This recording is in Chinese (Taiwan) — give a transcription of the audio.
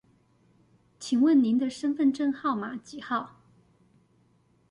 請問您的身分證號碼幾號